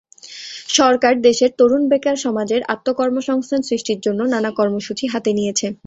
সরকার দেশের তরুণ বেকার সমাজের আত্মকর্মসংস্থান সৃষ্টির জন্য নানা কর্মসূচি হাতে নিয়েছে।